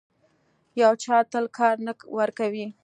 یو چل تل کار نه ورکوي.